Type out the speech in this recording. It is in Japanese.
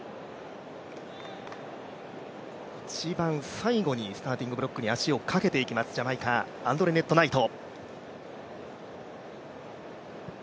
一番最後にスターティング・ブロックに足をかけていきます、ジャマイカのアンドレネット・ナイト。